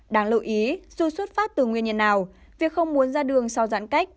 đáng lưu ý dù xuất phát từ nguyên nhân nào việc không muốn ra đường sau giãn cách